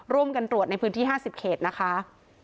ร่วมกันตรวจในพื้นที่๕๐เขตนะคะ